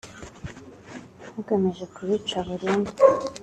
hagamije kubica burundu